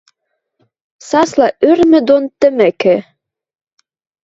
Сасла ӧрмӹ дон тӹмӹкӹ: